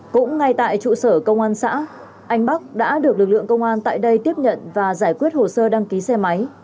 cũng ngay tại trụ sở công an xã anh bắc đã được lực lượng công an tại đây tiếp nhận và giải quyết hồ sơ đăng ký xe máy